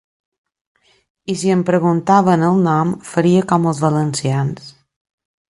I si em preguntaven el nom faria com els valencians.